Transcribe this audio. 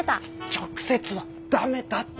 直接はダメだって！